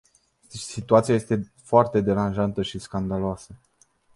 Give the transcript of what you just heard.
Situația este foarte deranjantă și scandaloasă.